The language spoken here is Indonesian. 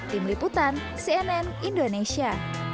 tim liputan cnn indonesia